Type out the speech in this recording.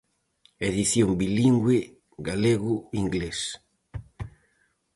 Edición bilingüe galego-inglés.